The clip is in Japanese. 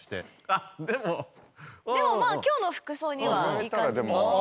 でもまあ今日の服装にはいい感じに。